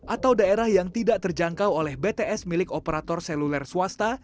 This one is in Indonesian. atau daerah yang tidak terjangkau oleh bts milik operator seluler swasta